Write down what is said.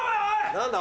・何だ？